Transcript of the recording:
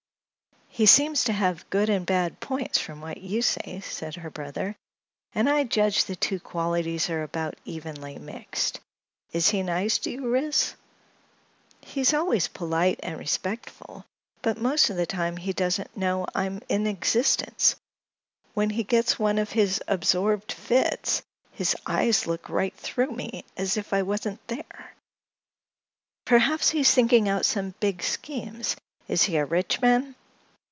"He seems to have good and bad points, from what you say," observed her brother, "and I judge the two qualities are about evenly mixed. Is he nice to you, Ris?" "He is always polite and respectful, but most of the time he doesn't know I'm in existence. When he gets one of his absorbed fits his eyes look right through me, as if I wasn't there." "Perhaps he is thinking out some big schemes. Is he a rich man?"